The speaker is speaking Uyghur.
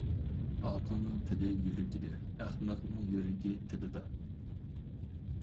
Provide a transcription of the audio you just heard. ئاقىلنىڭ تىلى يۈرىكىدە، ئەخمەقنىڭ يۈرىكى تىلىدا.